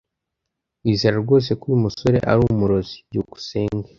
Wizera rwose ko uyu musore ari umurozi? byukusenge